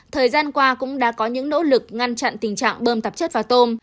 thời gian qua cũng đã có những nỗ lực ngăn chặn tình trạng bơm tạp chất vào tôm